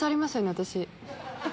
私。